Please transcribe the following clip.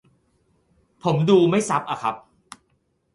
ผมดูไม่ซับอะครับ